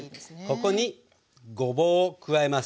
ここにごぼうを加えます。